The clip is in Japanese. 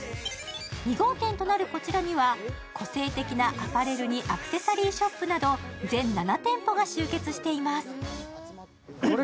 ２号店となるこちらには個性的なアパレルにアクセサリーショップなど全７店舗が集結しています。